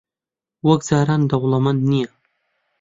وەک جاران دەوڵەمەند نییە.